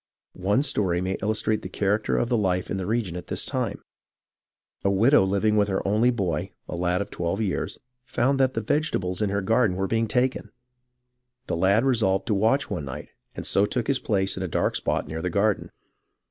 One story may illustrate the character of the life in the region at this time. A widow living with her only boy, a lad of twelve years, found that the vegetables in her garden were being taken. The lad resolved to watch one night, and so took his place in a dark spot near the garden.